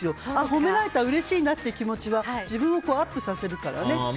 褒められたうれしいなという気持ちは自分をアップさせるから。